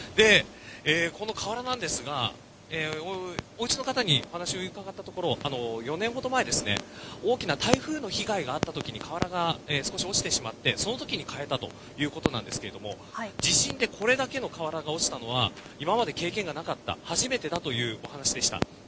この瓦ですがおうちの方に話を伺ったところ４年ほど前、大きな台風の被害があったときに瓦が少し落ちてしまって、そのときに変えたということですが地震でこれだけの瓦が落ちたのは今まで経験がなかった初めてだというお話でした。